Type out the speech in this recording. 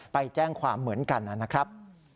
ไปแจ้งความเหมือนกันนะครับ